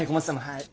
はい。